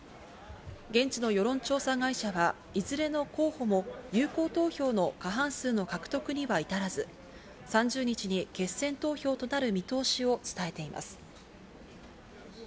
現地の世論調査会社はいずれの候補も有効投票の過半数の獲得には至らず、３０日に決選投票となる見通しを伝えています。